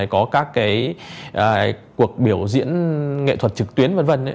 có các cái cuộc biểu diễn nghệ thuật trực tuyến v v